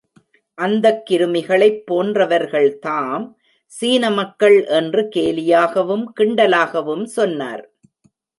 அந்தக் கிருமிகளைப் போன்றவர்கள்தாம் சீன மக்கள் என்று கேலியாகவும் கிண்டலாகவும் சொன்னார்.